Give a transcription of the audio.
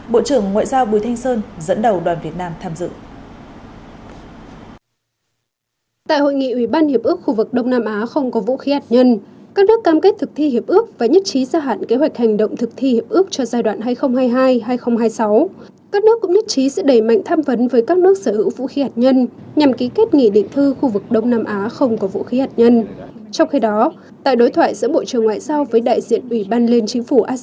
bộ trưởng ngoại giao bùi thanh sơn dẫn đầu đoàn việt nam tham dự